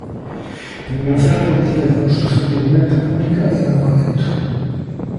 Paralizar a política de construción de vivenda pública en alugamento.